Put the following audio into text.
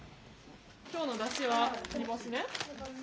今日のだしは煮干しね。